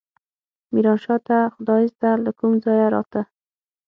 ميرانشاه ته خدايزده له کوم ځايه راته.